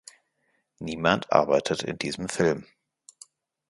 Niemand arbeitet in diesem Film.